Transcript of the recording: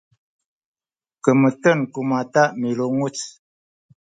kemeten ku mata milunguc